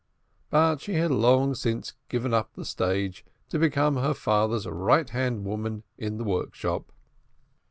But she had long since given up the stage, to become her father's right hand woman in the workshop.